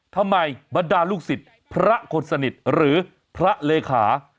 บรรดาลูกศิษย์พระคนสนิทหรือพระเลขา